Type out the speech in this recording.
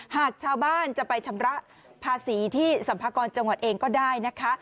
หากชาวบ้านจะไปชำระภาษีที่สัมภากรจังหวัดเองก็ได้นะคะ